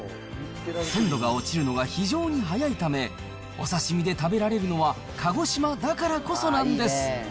鮮度が落ちるのが非常に早いため、お刺身で食べられるのは鹿児島だからこそなんです。